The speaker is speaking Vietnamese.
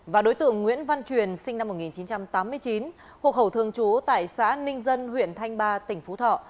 và đối tượng nguyễn văn truyền sinh năm một nghìn chín trăm tám mươi chín hộ khẩu thường trú tại xã ninh dân huyện thanh ba tỉnh phú thọ